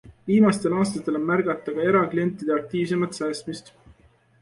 Viimastel aastatel on märgata ka eraklientide aktiivsemat säästmist.